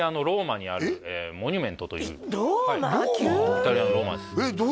イタリアのローマです